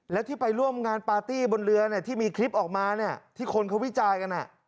แล้วที่ไปร่วมงานปาร์ตี้บนเรือที่มีคลิปออกมาที่คนเขาวิจารณ์กัน